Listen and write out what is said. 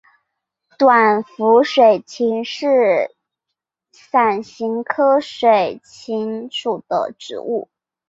短辐水芹是伞形科水芹属的植物。